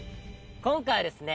今回はですね